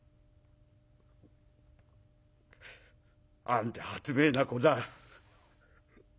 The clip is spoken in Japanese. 「なんて発明な子だ。